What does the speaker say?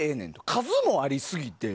数もありすぎて。